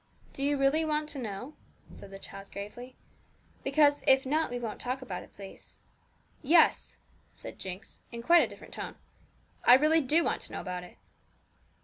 'Do you really want to know?' said the child gravely; 'because if not, we won't talk about it, please.' 'Yes,' said Jinx, in quite a different tone; 'I really do want to know about it.'